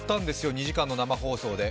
２時間の生放送で。